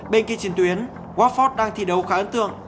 bên kia chiến tuyến worldford đang thi đấu khá ấn tượng